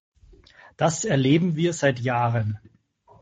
Das erleben wir seit Jahren.